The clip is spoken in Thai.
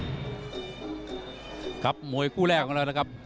สวัสดีครับครับมวยคู่แรกของเรานะครับ